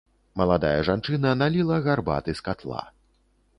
Маладая жанчына наліла гарбаты з катла.